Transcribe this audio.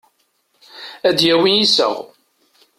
Ad d-yawi iseɣ.